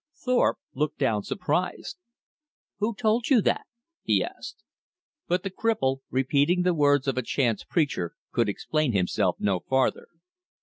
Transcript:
Thorpe looked down surprised. "Who told you that?" he asked. But the cripple, repeating the words of a chance preacher, could explain himself no farther.